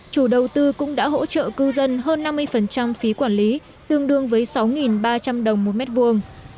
chủ đầu tư cũng đã hỗ trợ cư dân hơn năm mươi phí quản lý tương đương với sáu ba trăm linh đồng một mét vuông